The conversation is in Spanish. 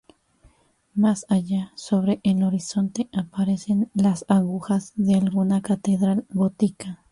Más allá, sobre el horizonte, aparecen las agujas de alguna catedral gótica.